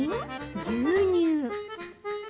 牛乳。